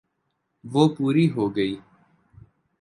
وہ پوری ہو گئی۔